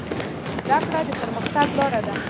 زده کړه د پرمختګ لاره ده.